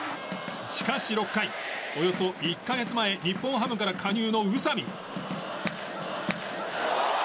しかし、７回およそ１か月前日本ハムから加入の宇佐見。